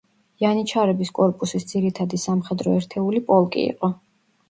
იანიჩარების კორპუსის ძირითადი სამხედრო ერთეული პოლკი იყო.